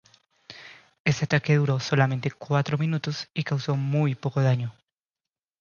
Este ataque duró solamente cuatro minutos y causó muy poco daño.